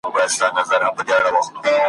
تا به له زګېروي سره بوډۍ لکړه راولي ,